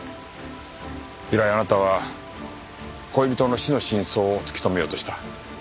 以来あなたは恋人の死の真相を突き止めようとした。